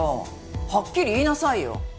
はっきり言いなさいよ。